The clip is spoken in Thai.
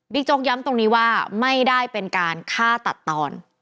โจ๊กย้ำตรงนี้ว่าไม่ได้เป็นการฆ่าตัดตอน